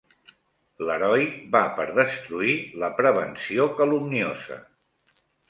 L'heroi va per destruir la prevenció calumniosa